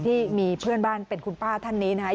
ที่มีเพื่อนบ้านเป็นคุณป้าท่านนี้นะคะ